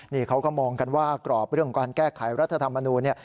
นี่เขาก็มองกันว่ากรอบเรื่องของการแก้ไขรัฐธรรมนูลเนี่ย